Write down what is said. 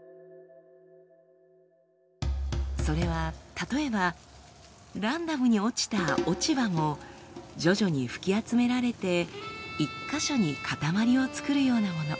それは例えばランダムに落ちた落ち葉も徐々に吹き集められて１か所にかたまりを作るようなもの。